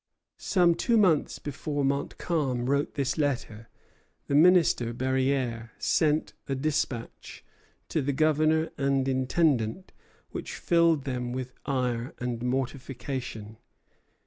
Some two months before Montcalm wrote this letter, the Minister, Berryer, sent a despatch to the Governor and Intendant which filled them with ire and mortification.